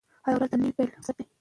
هره ورځ د نوي پیل فرصت دی.